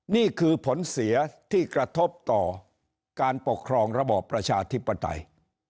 นี่คือผลเสียที่กระทบต่อการปกครองระบอบประชาธิปไตย